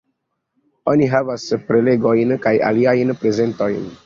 Oni havas prelegojn kaj aliajn prezentojn.